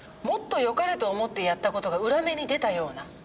もっと良かれと思ってやった事が裏目に出たような。